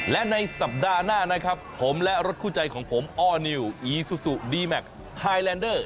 และในสัปดาห์หน้านะครับผมและรถคู่ใจของผมอ้อนิวอีซูซูดีแมคไฮแลนเดอร์